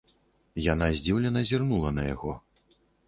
Яна здзіўлена зірнула на яго.